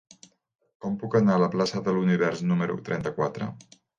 Com puc anar a la plaça de l'Univers número trenta-quatre?